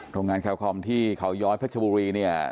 โรงงานแคลคอมที่เขาย้อยเพชรบุรีเนี่ย